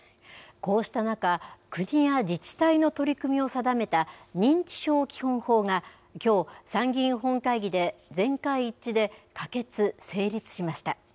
こうした中、国や自治体の取り組みを定めた認知症基本法が、きょう、参議院本会議で全会一致で可決・成立しました。